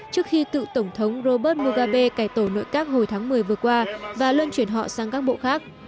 trước khi cựu tổng thống robert mugabe cải tổ nội các hồi tháng một mươi vừa qua và luân chuyển họ sang các bộ khác